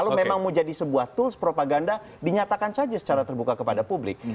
kalau memang mau jadi sebuah tools propaganda dinyatakan saja secara terbuka kepada publik